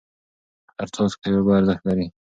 هر څاڅکی اوبه ارزښت لري.